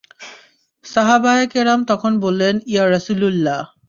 সাহাবায়ে কেরাম তখন বললেন, ইয়া রাসূলাল্লাহ!